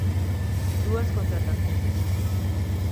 Dúas contratacións.